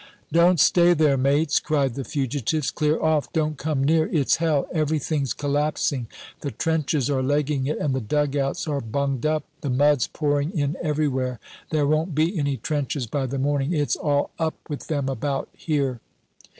"Don't stay there, mates!" cried the fugitives; "clear off, don't come near. It's hell everything's collapsing the trenches are legging it and the dug outs are bunged up the mud's pouring in everywhere. There won't be any trenches by the morning it's all up with them about here!"